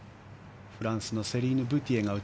フランスのセリーヌ・ブティエ。